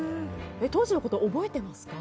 当時のことは覚えていますか？